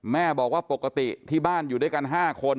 แม่บอกว่าปกติที่บ้านอยู่ด้วยกัน๕คน